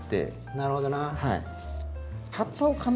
なるほど。